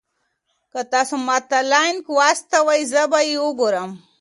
که تاسي ما ته لینک واستوئ زه به یې وګورم.